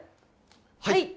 はい！